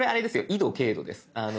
緯度・経度です。